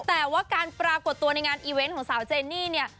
แต่ว่าการปรากฏตัวในงานอีเวนต์ของสาวเจนี่เนี่ย